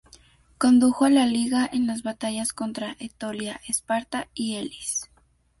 Condujo a la Liga en las batallas contra Etolia, Esparta y Elis.